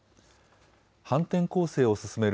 反転攻勢を進める